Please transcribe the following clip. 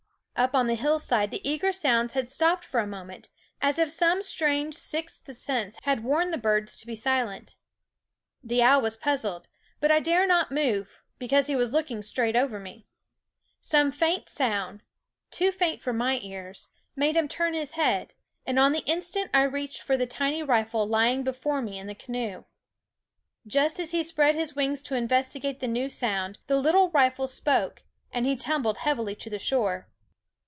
Up on the hillside the eager sounds had stopped for a moment, as if some strange sixth sense had warned the birds to be silent. The owl was puzzled ; but I dared not move, because he was looking straight over me. Some faint sound, too faint for my ears, made him turn his head, and on the instant I reached for the tiny rifle lying before me in the canoe. Just as he spread his wings to investigate the new sound, the little rifle spoke, and he tumbled heavily to the shore.